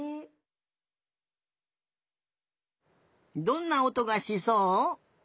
どんなおとがしそう？